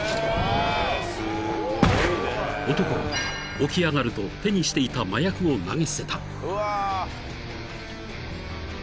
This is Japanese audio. ［男は起き上がると手にしていた麻薬を投げ捨てた］